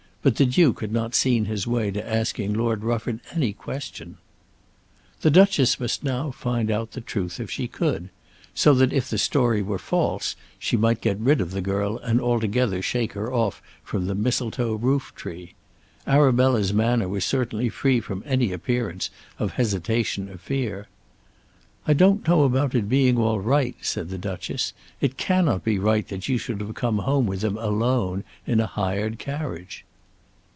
But the Duke had not seen his way to asking Lord Rufford any question. The Duchess must now find out the truth if she could, so that if the story were false she might get rid of the girl and altogether shake her off from the Mistletoe roof tree. Arabella's manner was certainly free from any appearance of hesitation or fear. "I don't know about being all right," said the Duchess. "It cannot be right that you should have come home with him alone in a hired carriage."